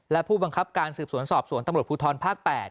และผู้บังคับการสืบสวนสอบสวนตำรวจภูทรภาค๘